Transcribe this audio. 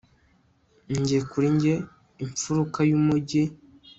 Njye kuri njye imfuruka yumujyi